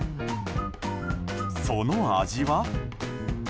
その味は？